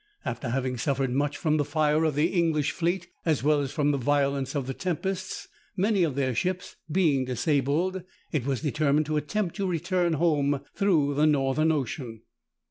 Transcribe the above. After having suffered much from the fire of the English fleet, as well as from the violence of the tempests, many of their ships being disabled, it was determined to attempt to return home through the Northern Ocean.